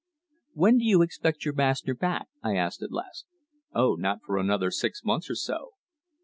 "When do you expect your master back?" I asked at last. "Oh, not for another six months or so."